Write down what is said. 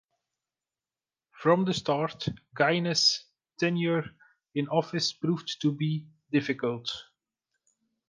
From the start, Gaines's tenure in office proved to be difficult.